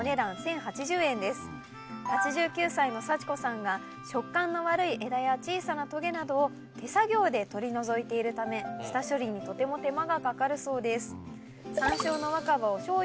８９歳の幸子さんが食感の悪い枝や小さなトゲなどを手作業で取り除いているため下処理にとても手間がかかるそうです。